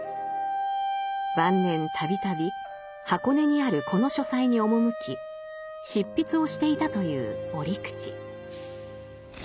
晩年度々箱根にあるこの書斎に赴き執筆をしていたという折口。